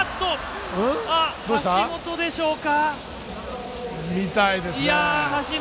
橋本でしょうか？